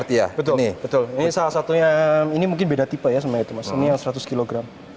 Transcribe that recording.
iya betul ini salah satunya ini mungkin beda tipe ya sebenarnya itu mas ini yang seratus kg